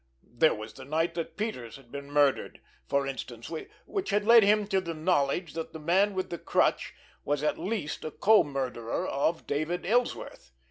There was the night that Peters had been murdered, for instance, which had led him to the knowledge that the Man With The Crutch was at least a co murderer of David Ellsworth.